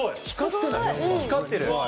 光ってる。